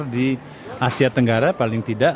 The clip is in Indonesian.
di asia tenggara paling tidak